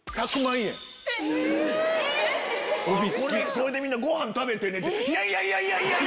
「これでみんなご飯食べてね」って。